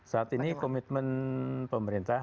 saat ini komitmen pemerintah